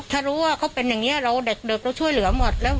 ถ้ารู้ว่าเขาเป็นอย่างนี้เราเด็กเราช่วยเหลือหมดแล้ว